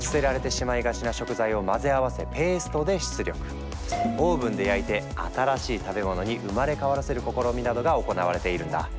例えばオーブンで焼いて新しい食べ物に生まれ変わらせる試みなどが行われているんだ。